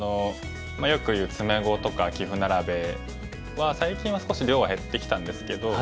よくいう詰碁とか棋譜並べは最近は少し量が減ってきたんですけど。